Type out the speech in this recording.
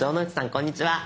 こんにちは。